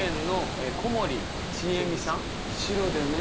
白でね。